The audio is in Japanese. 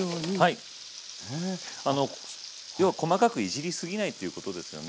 要は細かくいじりすぎないっていうことですよね。